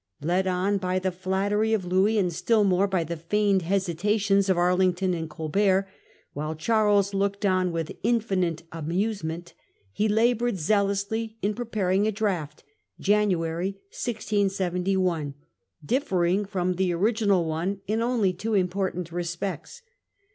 Led on by the flattery of Louis, and still more by the feigned hesitations of Arlington and Colbert, while Charles looked on with infinite amusement, he laboured zealously in pre paring a draft (January 1671) differing from the original one in only two important respects.